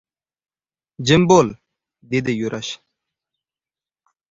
– Jim boʻl! – dedi Yurash.